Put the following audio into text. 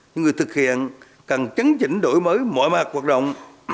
những người thực hiện cần chấn chỉnh đổi mới mọi mặt hoạt động